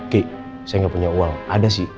kiki saya gak punya uang ada sih